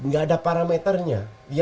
ga ada parameternya